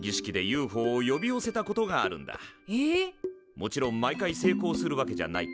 もちろん毎回成功するわけじゃないけど。